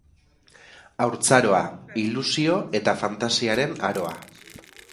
Haurtzaroa, ilusio eta fantasiaren aroa.